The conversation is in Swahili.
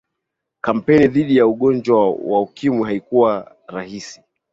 kampeini dhidi ya ugonjwa wa ukimwi haikuwa rahisi